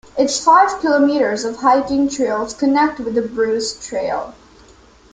Its five kilometers of hiking trails connect with the Bruce Trail.